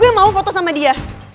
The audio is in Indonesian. gue mau foto sama dia